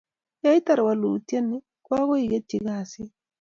Yeitar walutiet ni, ko akoi iketchi kosit